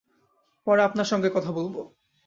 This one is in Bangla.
পরে আপনার সঙ্গে কথা বলব।